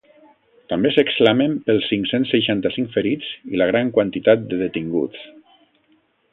També s’exclamen pels cinc-cents seixanta-cinc ferits i la gran quantitat de detinguts.